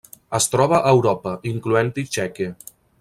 Es troba a Europa, incloent-hi Txèquia.